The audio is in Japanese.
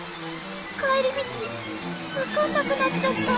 帰り道分かんなくなっちゃった。